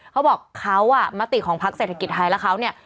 เขาบอกเขาอ่ะมติของพักเศรษฐกิจไทยและเขาเนี่ย